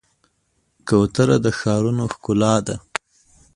کوتره د ښارونو ښکلا ده.